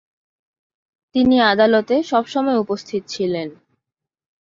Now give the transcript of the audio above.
তিনি আদালতে সব সময় উপস্থিত ছিলেন।